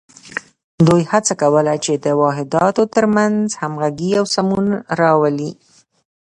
دوی هڅه کوله چې د واحداتو تر منځ همغږي او سمون راولي.